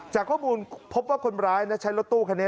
จากข้อมูลพบว่าคนร้ายใช้รถตู้คันนี้